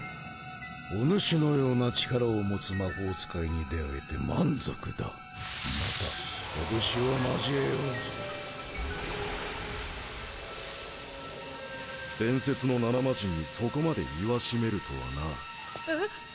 お主のような力を持つ魔法使いに出会えて満足だまた拳を交えようぞ伝説の７マジンにそこまで言わしめるとはなえ？